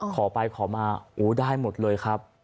ขอไปขอมาโอ้ได้หมดเลยครับ